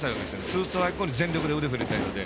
ツーストライク後に全力で腕振りたいので。